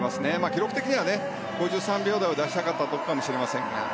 記録的には５３秒台を出したかったところかもしれませんが。